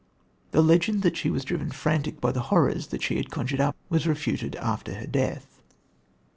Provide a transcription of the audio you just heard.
The legend that she was driven frantic by the horrors that she had conjured up was refuted after her death.